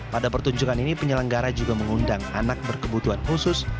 pada pertunjukan ini penyelenggara juga mengundang anak berkebutuhan khusus